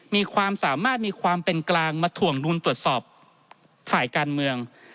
มีความสามารถมีความเป็นกลางมาถ่วงดุลตรวจสอบฝ่ายการเมือง